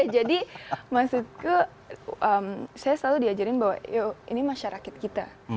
jadi maksudku saya selalu diajarin bahwa ini masyarakat kita